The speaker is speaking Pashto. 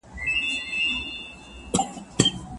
نو ماشومان نه ډارېږي.